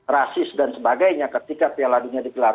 rasis dan sebagainya ketika piala dunia dikelar